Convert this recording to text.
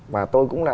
và tôi cũng là